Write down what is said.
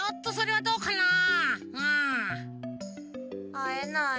あえない？